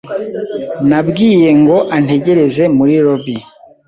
Nabwiye ngo antegereze muri lobby.